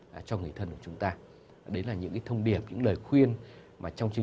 và có thể gây ra những nguồn thông tin khác nhau